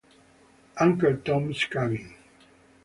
Uncle Tom's Cabin